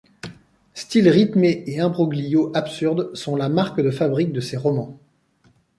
Style rythmé et imbroglios absurdes sont la marque de fabrique de ses romans.